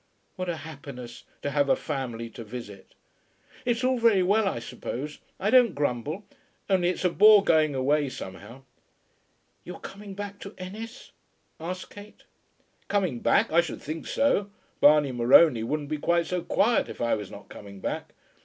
"What a happiness to have a family to visit!" "It's all very well, I suppose. I don't grumble. Only it's a bore going away, somehow." "You are coming back to Ennis?" asked Kate. "Coming back; I should think so. Barney Morony wouldn't be quite so quiet if I was not coming back.